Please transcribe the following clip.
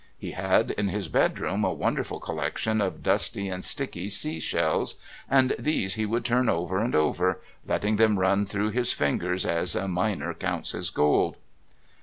He had in his bedroom a wonderful collection of dusty and sticky sea shells, and these he would turn over and over, letting them run through his fingers as a miner counts his gold.